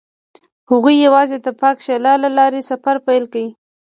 هغوی یوځای د پاک شعله له لارې سفر پیل کړ.